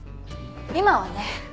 今はね。